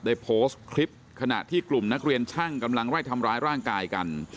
ได้โพสต์คลิปขณะที่กลุ่มนักเรียนช่างกำลังไล่ทำร้ายร่างกายกัน